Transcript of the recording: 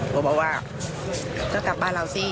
เขาบอกว่าก็กลับบ้านเราสิ